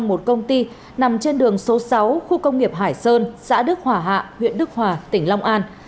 một công ty nằm trên đường số sáu khu công nghiệp hải sơn xã đức hòa hạ huyện đức hòa tỉnh long an